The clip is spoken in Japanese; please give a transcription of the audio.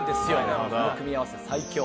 この組み合わせ、最強。